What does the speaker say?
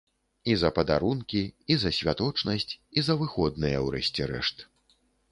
І за падарункі, і за святочнасць, і за выходныя, у рэшце рэшт.